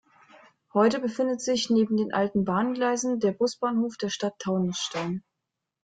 Heute befindet sich neben den alten Bahngleisen der Busbahnhof der Stadt Taunusstein.